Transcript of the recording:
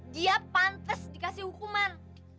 dia pantes dikasih hukuman